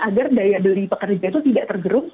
agar daya beli pekerja itu tidak tergerung